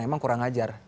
memang kurang ajar